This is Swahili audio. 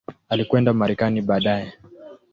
Alikwenda Marekani baadaye.